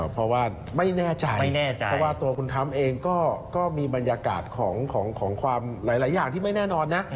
เพราะว่าไม่แน่ใจไม่แน่ใจเพราะว่าตัวคุณท้ำเองก็มีบรรยากาศของความหลายอย่างที่ไม่แน่นอนนะ